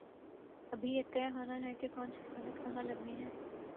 ابھی یہ طے ہو نا ہے کہ کون سی صنعت کہاں لگنی ہے۔